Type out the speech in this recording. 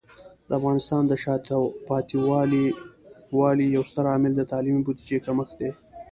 د افغانستان د شاته پاتې والي یو ستر عامل د تعلیمي بودیجه کمښت دی.